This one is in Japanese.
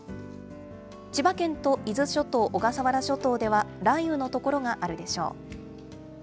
千葉県と伊豆諸島、小笠原諸島では雷雨の所があるでしょう。